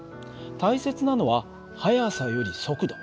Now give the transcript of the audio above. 大切なのは速さより速度。